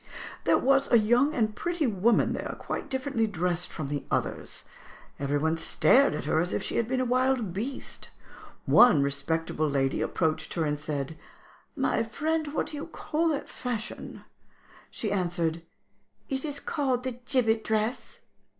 "There was a young and pretty woman there, quite differently dressed from the others; every one stared at her as if she had been a wild beast. One respectable lady approached her and said, 'My friend, what do you call that fashion?' She answered, 'It is called the "gibbet dress."'